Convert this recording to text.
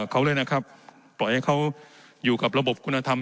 เขาเลยนะครับปล่อยให้เขาอยู่กับระบบคุณธรรม